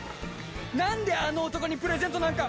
何であの男にプレゼントなんか。